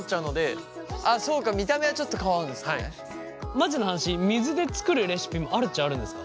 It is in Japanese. マジな話水で作るレシピもあるっちゃあるんですか？